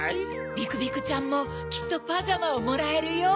ビクビクちゃんもきっとパジャマをもらえるよ。